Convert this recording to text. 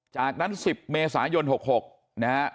จากนั้น๑๐เมษายน๖๖